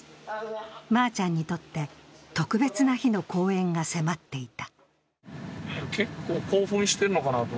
まーちゃんにとって特別な日の公演が迫っていた。